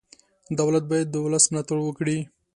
دولت باید د ولس ملاتړ وکړي.